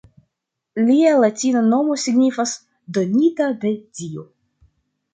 Lia latina nomo signifas “donita de dio“.